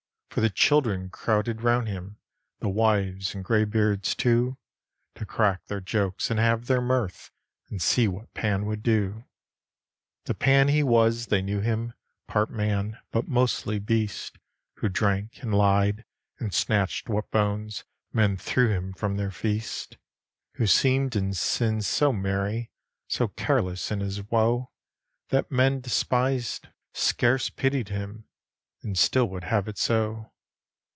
For the children crowded round him, The wives and greybeards, too, To crack their jokes and have their mirth, And see what Pan would do. The Pan he was they knew him, Part man, but mostly beast, Who drank, and lied, and snatched what bones Men threw him from their feast; Who seemed in sin so merry, So careless in his woe, That men despised, scarce pitied him, And still would have it so.